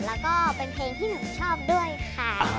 แล้วก็เป็นเพลงที่หนูชอบด้วยค่ะ